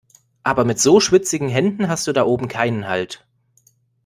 Aber mit so schwitzigen Händen hast du da oben keinen Halt.